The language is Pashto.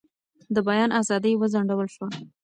د بیان ازادي وځنډول شوه.